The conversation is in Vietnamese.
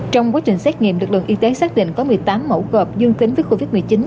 trong quá trình xét nghiệm lực lượng y tế xác định có một mươi tám mẫu gợp dương tính với covid một mươi chín